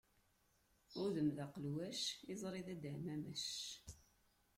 Udem d aqelwac, iẓṛi d adaɛmamac.